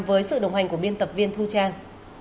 với sự đồng hành của biên tập viên thu trang